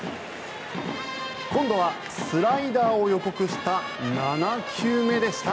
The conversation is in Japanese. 今度はスライダーを予告した７球目でした。